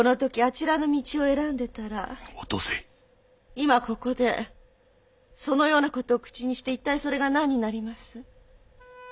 今ここでそのような事を口にして一体それが何になります？